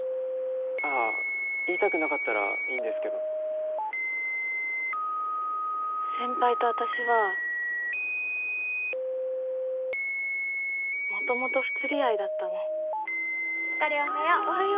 ああ言いたくなかったらいいんですけど先輩と私は元々不釣り合いだったのあかりおはよう